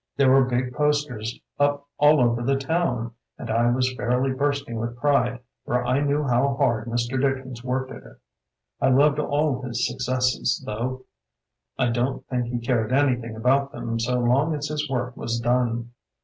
There were big posters up all over the town, and I was fairly bursting with pride, for I knew how hard Mr. Dickens worked at it. I loved all his successes, though I don't think he cared anything about them so long as his work was done.